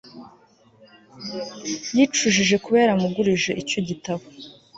Yicujije kuba yaramugurije icyo gitabo